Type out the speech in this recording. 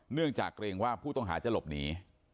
เนื่องจากเกรงว่าผู้ต้องหาจะหลบหนี